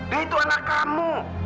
dan itu anak kamu